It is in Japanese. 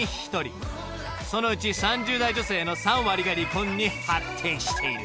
［そのうち３０代女性の３割が離婚に発展している］